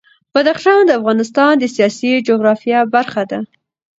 بدخشان د افغانستان د سیاسي جغرافیه برخه ده.